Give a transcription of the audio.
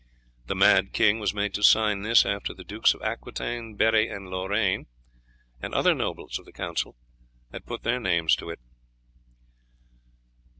The mad king was made to sign this after the Dukes of Aquitaine, Berri, and Lorraine, and other nobles of the council had put their names to it.